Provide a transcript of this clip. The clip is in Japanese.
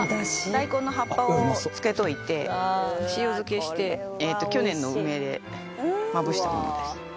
大根の葉っぱを漬けといて塩漬けして去年の梅で、まぶしたものです。